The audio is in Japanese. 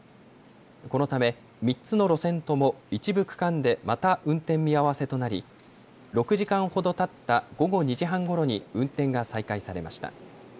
このため３つの路線とも一部区間でまた運転見合わせとなり６時間ほどたった午後２時半ごろに運転が再開されました。